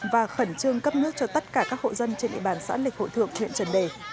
và khẩn trương cấp nước cho tất cả các hộ dân trên địa bàn xã lịch hội thượng huyện trần đề